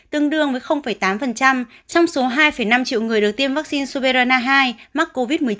tương đương với tám trong số hai năm triệu người được tiêm vắc xin soberana hai mắc covid một mươi chín